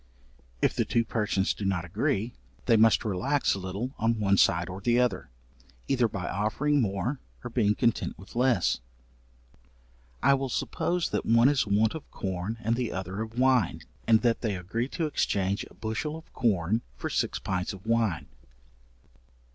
If the two persons do not agree, they must relax a little on one side or the other, either by offering more or being content with less. I will suppose that one is want of corn and the other of wine; and that they agree to exchange a bushel of corn for six pints of wine.